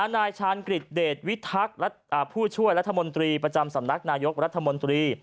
นายชาญกฤษเดชวิทักษ์ผู้ช่วยรัฐมนตรีประจำสำนักนายกรัฐมนตรี